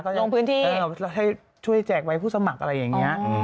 ก็ลงพื้นที่ให้ช่วยแจกไว้ผู้สมัครอะไรอย่างนี้